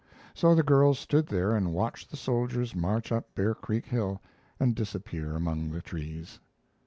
So the girls stood there and watched the soldiers march up Bear Creek Hill and disappear among the trees.